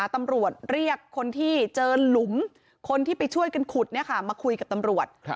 ตำรวจเรียกคนที่เจอหลุมคนที่ไปช่วยกันขุดมาคุยกับตำรวจ